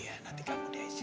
nanti kamu di asin